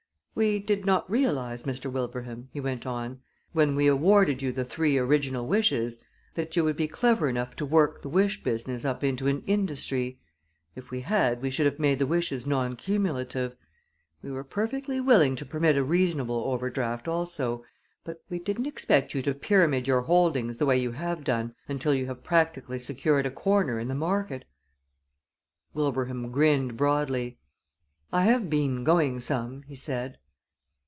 We did not realize, Mr. Wilbraham," he went on, "when we awarded you the three original wishes that you would be clever enough to work the wish business up into an industry. If we had we should have made the wishes non cumulative. We were perfectly willing to permit a reasonable overdraft also, but we didn't expect you to pyramid your holdings the way you have done until you have practically secured a corner in the market." Wilbraham grinned broadly. "I have been going some," he said.